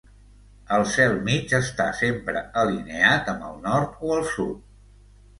El cel mig està sempre alineat amb el nord o el sud.